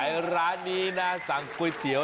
ไขว้ร้านนี้น่าสั่งก๋วยเตี๋ยว